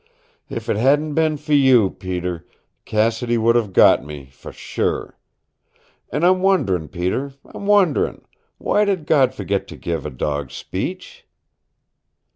"If it hadn't been for you, Peter Cassidy would have got me sure. And I'm wondering, Peter I'm wondering why did God forget to give a dog speech?"